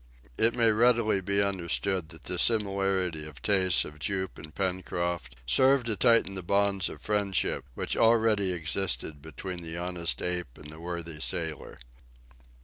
It may readily be understood that this similarity of tastes of Jup and Pencroft served to tighten the bonds of friendship which already existed between the honest ape and the worthy sailor.